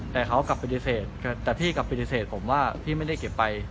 แต่เขากลับปฏิเสธแต่พี่กลับปฏิเสธผมว่าพี่ไม่ได้เก็บไป